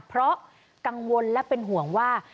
เพราะกังวลและเป็นห่วงว่า